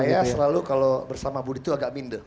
saya selalu kalau bersama budi tuh agak minde